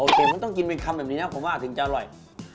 โอเคมันต้องกินเป็นคำแบบนี้นะผมว่าอาจจะอร่อย